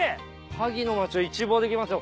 萩の町を一望できますよ